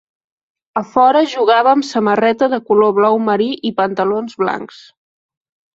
A fora jugava amb samarreta de color blau marí i pantalons blancs.